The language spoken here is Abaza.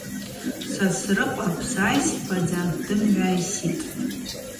Сосрыкъва псайспадза дымгӏвайситӏ.